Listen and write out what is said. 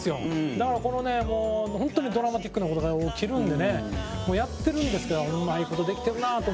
だから、このね、本当にドラマチックな事が起きるんでねやってるんですけどうまい事できてるなと。